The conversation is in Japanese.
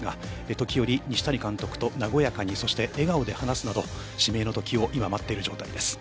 時折、西谷監督と和やかに、笑顔で指名の時を、今待っている状態です。